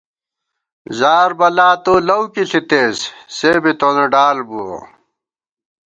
زاربَلا تو لؤکی ݪِتېس ، سے بی تونہ ڈال بُوَہ